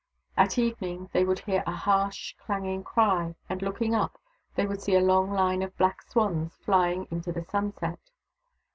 At evening they would hear a harsh, clanging cry, and, looking up, they would see a long line of black swans, flying into the sunset.